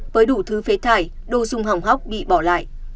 với đủ thứ phế thải đồ dùng hỏng hóc bị bỏ lại